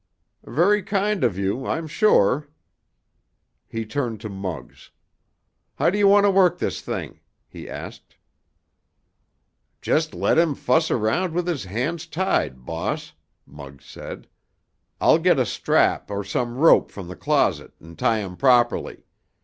"Very kind of you, I'm sure." He turned to Muggs. "How do you want to work this thing?" he asked. "Just let him fuss around with his hands tied, boss," Muggs said. "I'll get a strap or some rope from the closet and tie 'em properly.